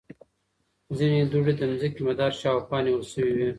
ځینې دوړې د ځمکې مدار شاوخوا نیول شوې وي.